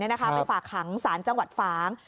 ไปฝากหังศาลจังหวัดฟ้าง